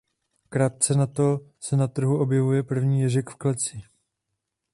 Krátce nato se na trhu objevuje první ježek v kleci.